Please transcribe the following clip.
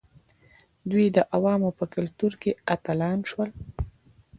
دوی د عوامو په کلتور کې اتلان شول.